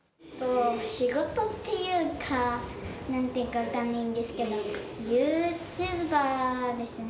仕事っていうか、なんていうか分からないんですけど、ユーチューバーですね。